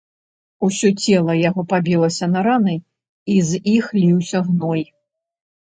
Усё цела яго пабілася на раны, і з іх ліўся гной.